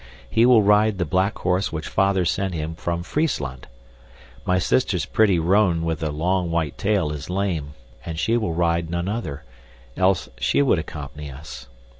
He will ride the black horse which Father sent him from Friesland. My sister's pretty roan with the long white tail is lame, and she will ride none other; else she would accompany us.